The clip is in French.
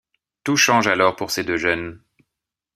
Tout change alors pour ces deux jeunes.